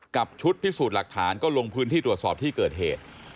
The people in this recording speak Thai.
ชุดพิสูจน์หลักฐานก็ลงพื้นที่ตรวจสอบที่เกิดเหตุ